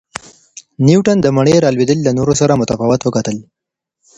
نیوټن د مڼې را لویدل له نورو سره متفاوت وکتل.